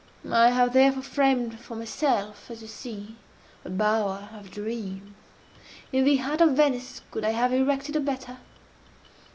I have therefore framed for myself, as you see, a bower of dreams. In the heart of Venice could I have erected a better?